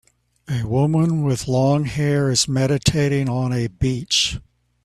A woman with long hair is meditating on a beach.